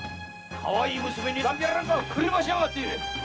かわいい娘に段平なんか振り回しやがって！